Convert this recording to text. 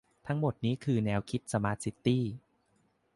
ทั้งหมดนี้คือแนวคิดสมาร์ทซิตี้